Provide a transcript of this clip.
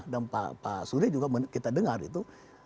dan pak surya juga kita dengar itu